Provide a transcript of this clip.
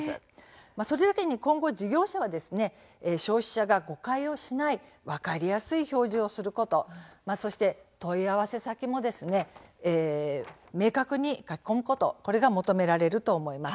それだけに今後、事業者は消費者が誤解をしない分かりやすい表示をすることそして問い合わせ先も明確に書き込むことが求められると思います。